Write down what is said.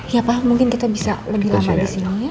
ya pak mungkin kita bisa lebih lama di sini